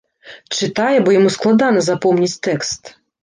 Чытае, бо яму складана запомніць тэкст.